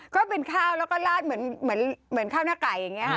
ก็เป็นข้าวแล้วก็ลาดเหมือนข้าวหน้าไก่อย่างนี้ค่ะ